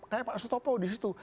kayak pak sutopo di situ